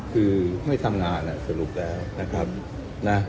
คือไม่ทำงานสรุปแล้วนะครับนะ